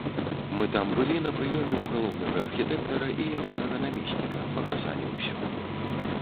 Мы там былі на прыёме ў галоўнага архітэктара і ягонага намесніка, паказалі ўсё.